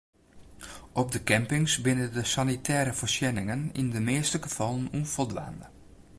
Op de campings binne de sanitêre foarsjenningen yn de measte gefallen ûnfoldwaande.